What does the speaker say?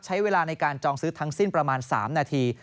ใช้เวลาในการจองซื้อทั้งสิ้นประมาณ๓นาที